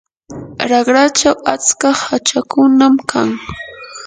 raqrachaw atska hachakunam kan.